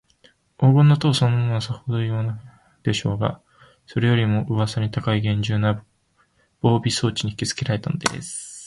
黄金の塔そのものは、さほどほしいとも思わなかったでしょうが、それよりも、うわさに高いげんじゅうな防備装置にひきつけられたのです。